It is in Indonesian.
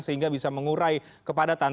sehingga bisa mengurai kepada tantang